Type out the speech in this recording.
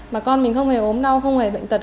mà con mình không hề ốm đau không hề bệnh tật